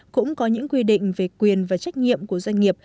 cũng có những quy định về quyền và trách nhiệm của doanh nghiệp